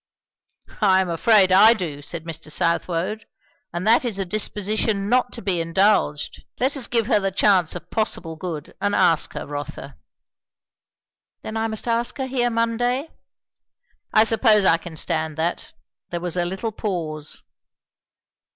"I am afraid I do," said Mr. Southwode; "and that is a disposition not to be indulged. Let us give her the chance of possible good, and ask her, Rotha." "Then I must ask her here Monday." "I suppose I can stand that." There was a little pause.